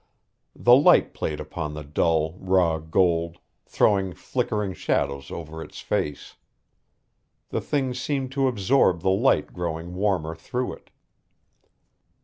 The light played upon the dull, raw gold, throwing flickering shadows over its face. The thing seemed to absorb the light growing warmer through it.